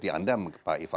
dia di dunia